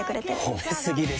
褒め過ぎですよ。